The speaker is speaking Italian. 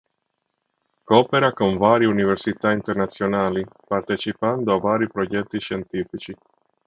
Coopera con varie università internazionali, partecipando a vari progetti scientifici.